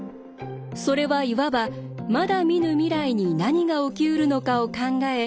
それはいわばまだ見ぬ未来に何が起きうるのかを考え